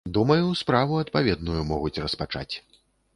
Думаю, справу адпаведную могуць распачаць.